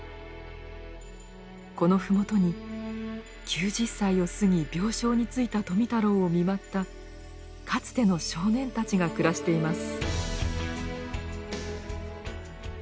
この麓に９０歳を過ぎ病床についた富太郎を見舞ったかつての少年たちが暮らしています。